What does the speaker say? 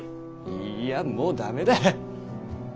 いいやもう駄目だい。